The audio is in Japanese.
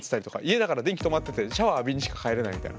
家だから電気止まっててシャワー浴びにしか帰れないみたいな。